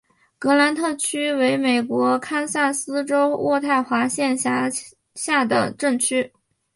格兰特镇区为美国堪萨斯州渥太华县辖下的镇区。